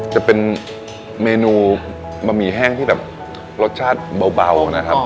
จะเป็นเมนูบะหมี่แห้งที่แบบรสชาติเบานะครับ